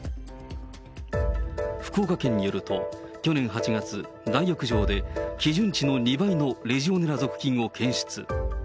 福岡県によると、去年８月、大浴場で基準値の２倍のレジオネラ属菌を検出。